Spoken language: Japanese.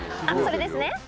あっそれですね